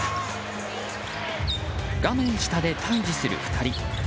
画面下で対峙する２人。